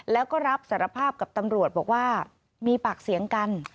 แล้วก็รับสารภาพกับตำรวจบอกว่ามีปากเสียงกัน